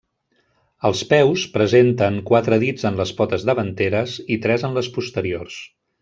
Els peus presenten quatre dits en les potes davanteres i tres en les posteriors.